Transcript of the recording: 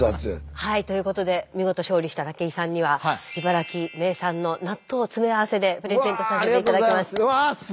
はいということで見事勝利した武井さんには茨城名産の納豆詰め合わせでプレゼントさせて頂きます。